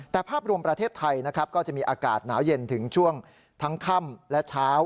แต่ภาพรวมประเทศไทยนะครับก็จะมีอากาศหนาวเย็นถึงช่วงทั้งค่ำและเช้า